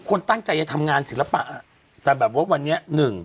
คนตั้งใจจะทำงานศิลปะแต่แบบว่าวันนี้หนึ่ง